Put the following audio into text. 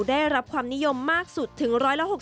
ได้รับความนิยมมากสุดถึง๑๖๐